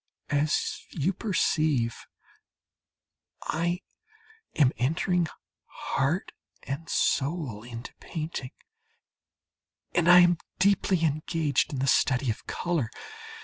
As you perceive, I am entering heart and soul into painting, and I am deeply engaged in the study of colour.